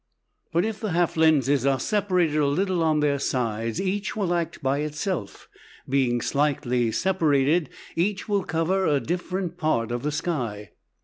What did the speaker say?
But if the half lenses are separated a little on their slides, each will act by itself. Being slightly separated, each will cover a different part of the sky.